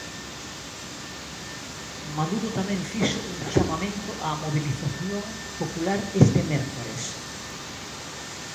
Maduro tamén fixo un chamamento á mobilización popular este mércores.